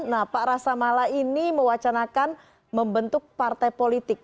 nah pak rasa mala ini mewacanakan membentuk partai politik